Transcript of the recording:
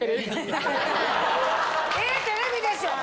ええテレビでしょ！